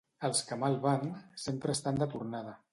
Els que mai van, sempre estan de tornada.